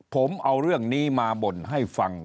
ผมเอาเรื่องนี้มาบ่นให้ฟัง